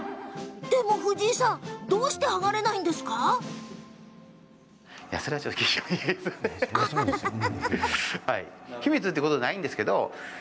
でも、藤井さんどうして剥がれないんでしょうか。